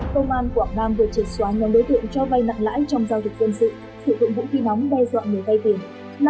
công an quảng nam vừa triệt xóa nhóm đối tượng cho vay nặng lãi trong giao dịch dân sự sử dụng vũ khí nóng đe dọa người vay tiền